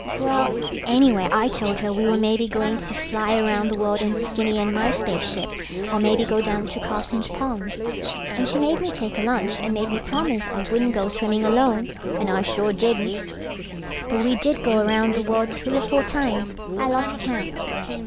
Well ... anyway I told her we were maybe going to fly around the world in Skinny and my spaceship, or maybe go down to Carson's pond. And she made me take a lunch and made me promise I wouldn't go swimming alone, and I sure didn't. But we did go around the world three or four times. I lost count.